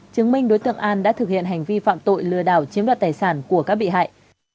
chứng minh đối tượng an đã thực hiện hành vi phạm tội lừa đảo chiếm đoạt tài sản của các bị hại